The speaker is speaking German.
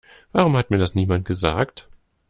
Warum hat mir das niemand gesagt?